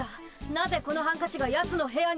なぜこのハンカチがやつの部屋に。